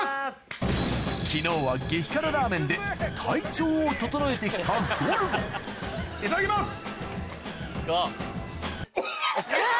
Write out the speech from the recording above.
昨日は激辛ラーメンで体調を整えて来たゴルゴいただきます。